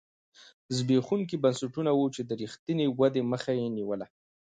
زبېښونکي بنسټونه وو چې د رښتینې ودې مخه یې نیوله.